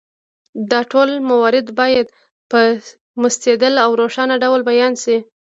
دا ټول موارد باید په مستدل او روښانه ډول بیان شي.